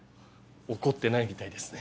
怒ってないみたいですね。